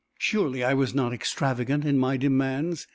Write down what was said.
Surely I was not extravagant in my demands.